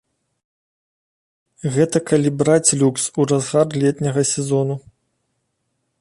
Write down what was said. Гэта калі браць люкс у разгар летняга сезону.